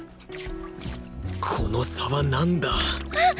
この差はなんだあっ！